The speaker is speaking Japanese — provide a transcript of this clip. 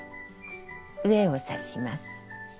上を刺します。